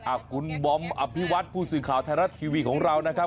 อ่ะคุณบอมอภิวัตผู้สื่อข่าวไทยรัฐทีวีของเรานะครับ